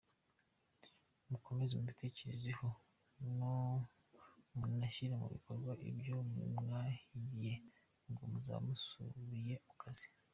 Mukomeze mubitekerezeho munashyire mu bikorwa ibyo mwahigiye ubwo muzaba musubiye mu kazi.